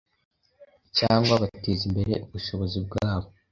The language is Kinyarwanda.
cyangwa bateza imbere ubushobozi bwabo.